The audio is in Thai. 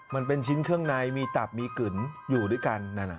มันเป็นชิ้นเครื่องในมีตับมีกึ๋นอยู่ด้วยกัน